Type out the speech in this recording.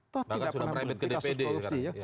tidak pernah berhenti kasus korupsi ya